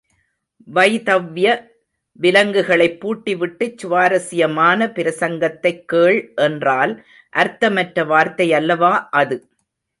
வைதவ்ய விலங்குகளைப் பூட்டிவிட்டுச் சுவாரஸ்யமான பிரசங்கத்தைக் கேள் என்றால் அர்த்தமற்ற வார்த்தையல்லவா அது.